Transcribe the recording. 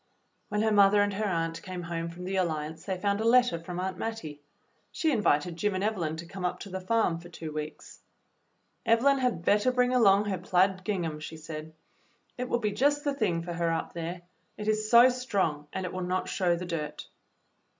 When her mother and her aunt came home from the Alliance they found a letter from Aunt Mattie. She invited Jim and Evelyn to come up to the farm for two weeks. "Evelyn had better bring along her plaid gingham," she said. "It will be just the thing for her up here. It is so strong, and it will not show the dirt."